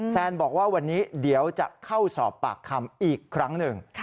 แซนบอกว่าวันนี้เดี๋ยวจะเข้าสอบปากคำอีกครั้งหนึ่ง